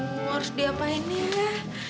harus diapain ya